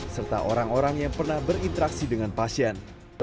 serta orang orang yang pernah berinteraksi dengan pasien